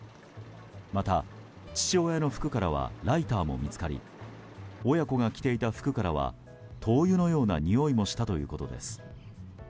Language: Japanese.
また、父親の服からはライターも見つかり親子が着ていた服からは灯油のようなにおいもしたということです。